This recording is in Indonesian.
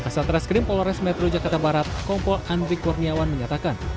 satreskrim polores metro jakarta barat kompol andri kurniawan menyatakan